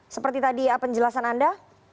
seperti tadi penjelasan anda